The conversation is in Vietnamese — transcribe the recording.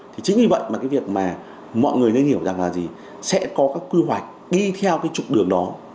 thì chính vì vậy mà cái việc mà mọi người nên hiểu rằng là gì sẽ có các quy hoạch đi theo cái trục đường đó